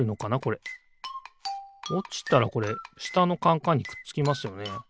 おちたらこれしたのカンカンにくっつきますよね。